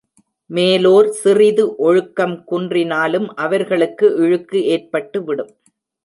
மேலோர் சிறிது ஒழுக்கம் குன்றினாலும் அவர்களுக்கு இழுக்கு ஏற்பட்டு விடும்.